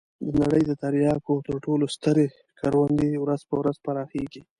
د نړۍ د تریاکو تر ټولو سترې کروندې ورځ په ورځ پراخېږي.